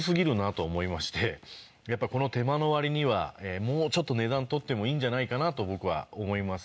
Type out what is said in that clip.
この手間の割にはもうちょっと値段取ってもいいんじゃないかなと僕は思います。